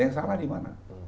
yang salah di mana